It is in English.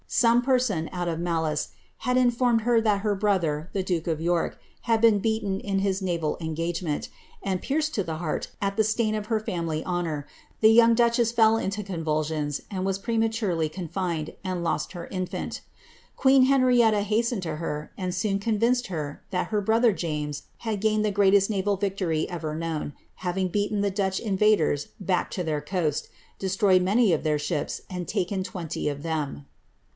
Some person, out of malice, had informed her that her brother, the duke of York, had been beaten in his naval engagement;' and, pierced to the heart at the stain on her family honour, the young duchess fell into convulsions, was prematurely confined, and lost her infant. Queen Henrietta hastened to her, and soon convinced her that her brother James had gained the greatest naval victory ever knowOi having beat the Dutch invaders back to their coast, destroyed many of their !<hips, and taken twenty of them.''